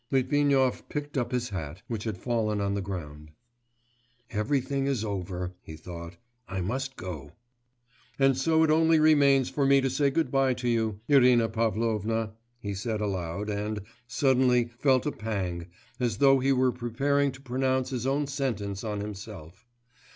Litvinov picked up his hat, which had fallen on the ground. 'Everything is over,' he thought, 'I must go. And so it only remains for me to say good bye to you, Irina Pavlovna,' he said aloud, and suddenly felt a pang, as though he were preparing to pronounce his own sentence on himself.